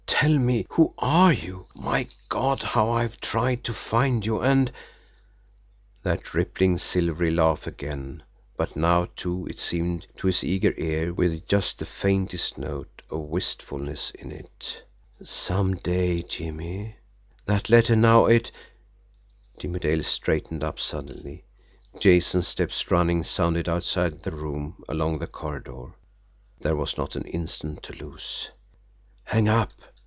"Tell me who you are! My God! how I've tried to find you, and " That rippling, silvery laugh again, but now, too, it seemed to his eager ear, with just the faintest note of wistfulness in it. "Some day, Jimmie. That letter now. It " Jimmie Dale straightened up suddenly Jason's steps, running, sounded outside the room along the corridor there was not an instant to lose. "Hang up!